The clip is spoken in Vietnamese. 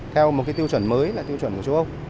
theo một cái tiêu chuẩn mới là tiêu chuẩn của châu âu